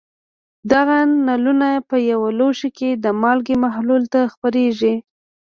دغه نلونه په یو لوښي کې د مالګې محلول ته خپرېږي.